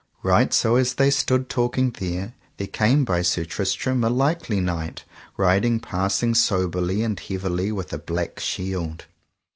Right so as they stood talking there, there came by Sir Tristram a likely knight riding passing soberly and heavily with a black shield.